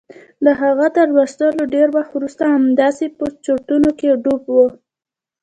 د هغه تر لوستلو ډېر وخت وروسته همداسې په چورتونو کې ډوب و.